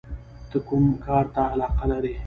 ته کوم کار ته علاقه لرې؟